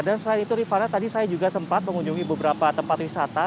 dan selain itu rifana tadi saya juga sempat mengunjungi beberapa tempat wisata